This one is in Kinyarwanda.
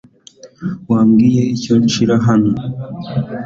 Wambwira icyo nshyira hano?